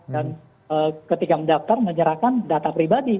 dan ketika mendaftar menyerahkan data pribadi